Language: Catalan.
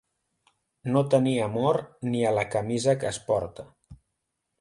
No tenir amor ni a la camisa que es porta.